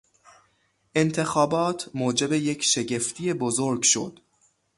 انتخابات موجب یک شگفتی بزرگ شد.